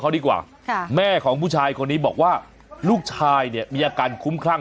เขาดีกว่าค่ะแม่ของผู้ชายคนนี้บอกว่าลูกชายเนี่ยมีอาการคุ้มคลั่ง